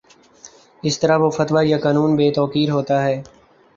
اس طرح وہ فتویٰ یا قانون بے توقیر ہوتا ہے